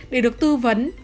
để được tư vấn